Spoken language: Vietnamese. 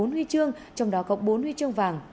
một mươi bốn huy chương trong đó có bốn huy chương vàng